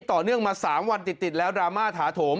ต่อเนื่องมา๓วันติดแล้วดราม่าถาโถม